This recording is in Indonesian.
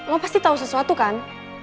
lo pasti tahu sesuatu kan